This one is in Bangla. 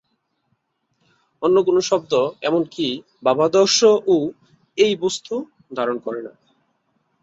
অন্য কোন শব্দ এমনকি 'ভাবাদর্শ' ও এই বস্তু ধারণ করে না।